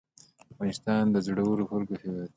افغانستان د زړورو خلکو هیواد دی